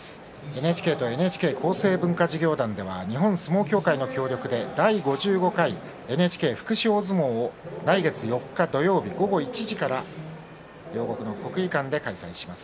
ＮＨＫとＮＨＫ厚生文化事業団では日本相撲協会の協力で第５５回ＮＨＫ福祉大相撲を来月４日土曜日午後１時から両国の国技館で開催します。